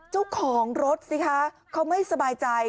เจ้าของรถสิคะเขาไม่สบายใจ